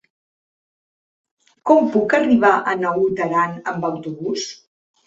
Com puc arribar a Naut Aran amb autobús?